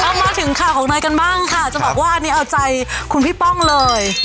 เอามาถึงข่าวของเนยกันบ้างค่ะจะบอกว่าอันนี้เอาใจคุณพี่ป้องเลย